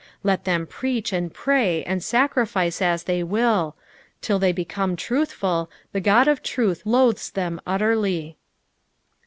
Let them preach, and pray, and sacrifice as they will ; till they become truthful, the Qod of truth loathes them utterly.